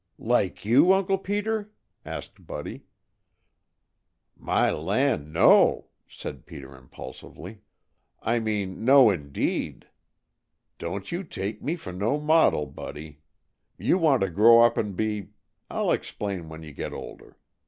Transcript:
"Like you, Uncle Peter?" asked Buddy. "My land, no!" said Peter impulsively. "I mean, no, indeed. Don't you take me for no model, Buddy. You want to grow up and be I'll explain when you get older.